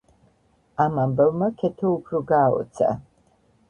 ამ ამბავმა ქეთო უფრო გააოცა .